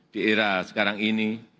di era sekarang ini